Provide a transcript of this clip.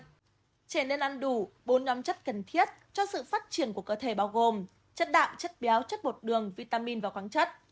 trẻ nên ăn đủ bốn nhóm chất cần thiết cho sự phát triển của cơ thể bao gồm chất đạm chất béo chất bột đường vitamin và khoáng chất